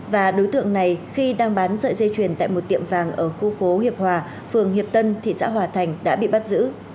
và đối tượng này khi đang bán sợi dây chuyền tại một tiệm vàng ở khu phố hiệp hòa phường hiệp tân thị xã hòa thành đã bị bắt giữ